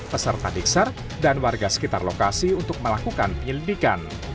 peserta diksar dan warga sekitar lokasi untuk melakukan penyelidikan